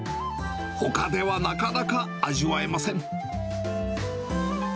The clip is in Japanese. ほかではなかなか味わえません。